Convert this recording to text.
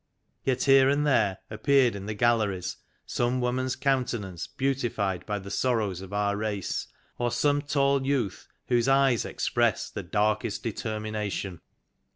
Yet here and there appeared in the galleries some woman's countenance beautified by the sorrows of our race, or some tall youth whose eyes expressed the darkest de termination.